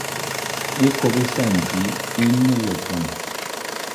Ikob íssana ji íne lebeng.